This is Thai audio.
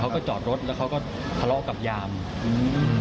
จอดรถแล้วเขาก็ทะเลาะกับยามอืม